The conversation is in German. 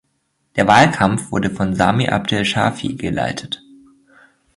Der Wahlkampf wurde von Sami Abdel-Shafi geleitet.